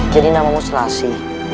jadi namamu selasyi